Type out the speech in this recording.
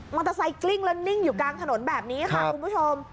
เตอร์ไซค์กลิ้งแล้วนิ่งอยู่กลางถนนแบบนี้ค่ะคุณผู้ชม